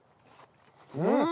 うん！